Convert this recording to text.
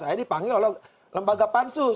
saya dipanggil oleh lembaga pansus